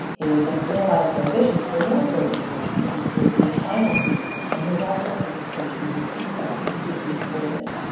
His unrealized ambitions for a military vocation are indicated in the final scene, and his actual participation in a sea fight is duly recorded.